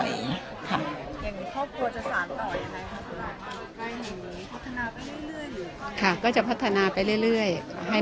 อย่างนี้ครอบครัวจะสามารถอย่างไรครับครับแล้วอย่างนี้พัฒนาไปเรื่อยอยู่ไหน